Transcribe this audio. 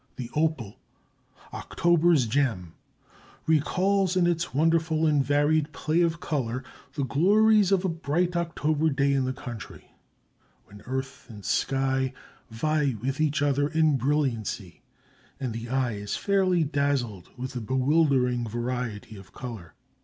The opal, October's gem, recalls in its wonderful and varied play of color the glories of a bright October day in the country, when earth and sky vie with each other in brilliancy and the eye is fairly dazzled with the bewildering variety of color.